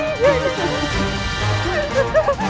aku tidak tahu